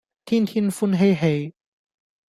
天天歡嬉戲